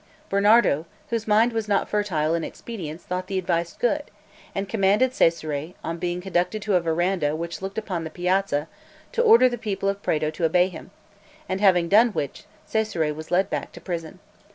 Bernardo, whose mind was not fertile in expedients, thought the advice good, and commanded Cesare, on being conducted to a veranda which looked upon the piazza, to order the people of Prato to obey him, and having done which, Cesare was led back to prison.